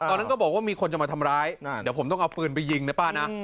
ตอนนั้นก็บอกว่ามีคนจะมาทำร้ายเดี๋ยวผมต้องเอาปืนไปยิงนะป้านะ